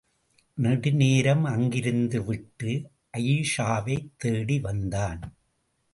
நெடுநேரம் அங்கிருந்துவிட்டு, அயீஷாவைத் தேடிவந்தான்.